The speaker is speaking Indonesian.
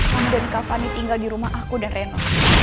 kamu dan kak fani tinggal di rumah aku dan reno